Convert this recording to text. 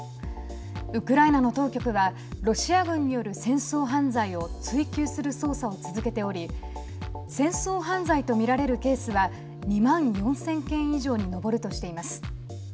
ウクライナの当局はロシア軍による戦争犯罪を追求する捜査を続けており戦争犯罪と見られるケースは２万４０００件以上に上るとしています。